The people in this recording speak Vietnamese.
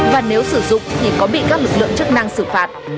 và nếu sử dụng thì có bị các lực lượng chức năng xử phạt